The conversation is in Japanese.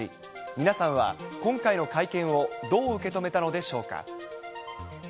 皆さんは今回の会見をどう受け止めたのでしょうか。